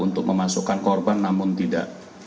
untuk memasukkan korban namun tidak